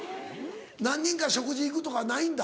何人か食事行くとかないんだ。